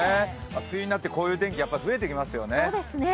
梅雨になって、こういう天気、増えてきますよね。